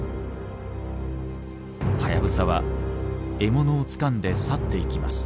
ハヤブサは獲物をつかんで去っていきます。